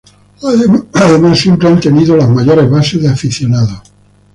Además, siempre han tenido las mayores bases de aficionados.